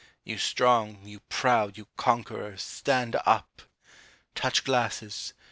You strong, you proud, you conquerors — stand up! Touch glasses